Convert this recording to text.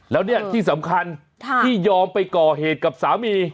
แล้วเนี่ยที่สำคัญที่ยอมไปก่อเหตุกับสามี